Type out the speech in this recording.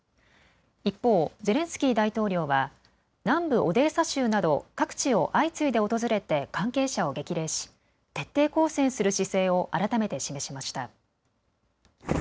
一方、ゼレンスキー大統領は南部オデーサ州などを各地を相次いで訪れて関係者を激励し徹底抗戦する姿勢を改めて示しました。